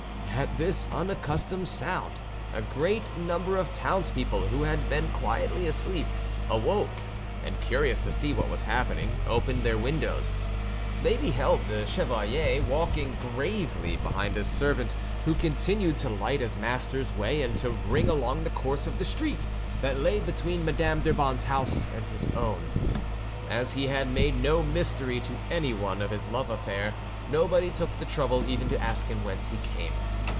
At this unaccustomed sound, a great number of townspeople, who had been quietly asleep, awoke, and, curious to see what was happening, opened their windows. They beheld the chevalier, walking gravely behind his servant, who continued to light his master's way and to ring along the course of the street that lay between Madame d'Urban's house and his own. As he had made no mystery to anyone of his love affair, nobody took the trouble even to ask him whence he came.